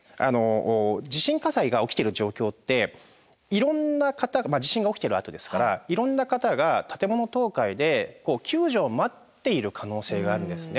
地震火災が起きてる状況って地震が起きてるあとですからいろんな方が建物倒壊で救助を待っている可能性があるんですね。